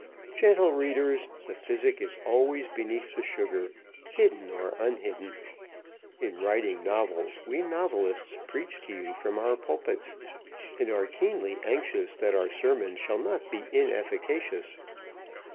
Gentle readers, the physic is always beneath the sugar, hidden or unhidden. In writing novels we novelists preach to you from our pulpits, and are keenly anxious that our sermons shall not be inefficacious.